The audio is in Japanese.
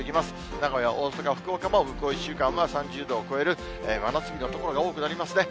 名古屋、大阪、福岡も向こう１週間は３０度を超える真夏日の所が多くなりますね。